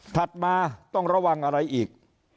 ถัดมาต้องระวังอะไรอีก